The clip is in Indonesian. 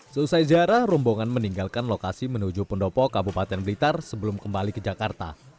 selesai ziarah rombongan meninggalkan lokasi menuju pendopo kabupaten blitar sebelum kembali ke jakarta